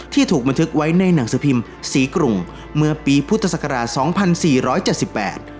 ถูกบันทึกไว้ในหนังสือพิมพ์สีกรุงเมื่อปีพุทธศักราชสองพันสี่ร้อยเจ็ดสิบแปด